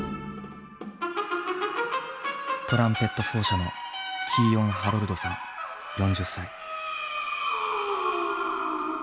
トランペット奏者のキーヨン・ハロルドさん４０歳。